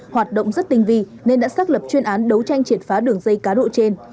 hoạt động rất tinh vi nên đã xác lập chuyên án đấu tranh triệt phá đường dây cá độ trên